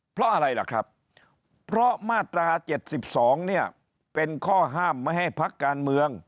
เพราะอะไรล่ะครับเพราะมาตรา๗๒เนี่ยเป็นข้อห้ามไม่ให้พักการเมือง